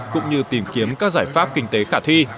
cũng như tìm kiếm các giải pháp kinh tế khả thi